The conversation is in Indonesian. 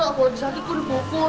aku lagi sakit aku udah bukul